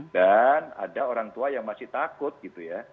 dan ada orang tua yang masih takut gitu ya